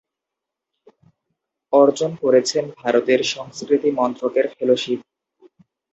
অর্জন করেছেন ভারতের সংস্কৃতি মন্ত্রকের ফেলোশিপ।